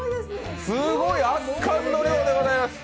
すごい、圧巻の量でございます！